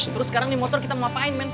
terus sekarang nih motor kita mau apain men